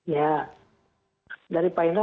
ya dari pak indra